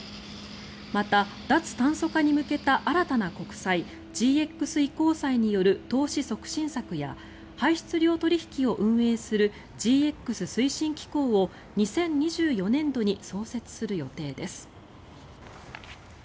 また、脱炭素化に向けた新たな国債、ＧＸ移行債による投資促進策や排出量取引を運営するＧＸ推進機構を２０２４年度に創設する予定です。